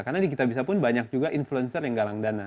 karena di kita bisa pun banyak juga influencer yang galang dana